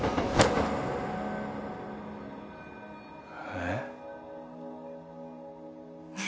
えっ？